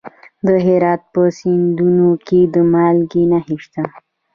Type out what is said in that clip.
د هرات په شینډنډ کې د مالګې نښې شته.